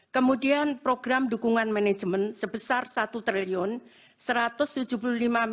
kemudian program dukungan manajemen sebesar rp satu triliun rp satu ratus tujuh puluh lima satu ratus dua empat ratus tiga puluh lima